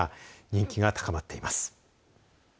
人気が高まっています。